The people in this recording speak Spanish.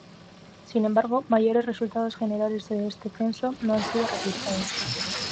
Sin embargo, mayores resultados generales de este censo no han sido registrados.